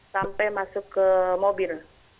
sampai masuk ke mobil